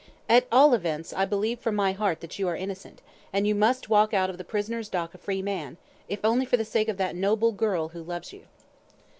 At all events, I believe from my heart that you are innocent, and you must walk out of the prisoner's dock a free man, if only for the sake of that noble girl who loves you."